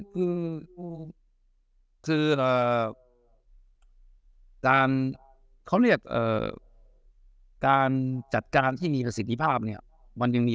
คือคือการเขาเรียกการจัดการที่มีประสิทธิภาพเนี่ยมันยังมี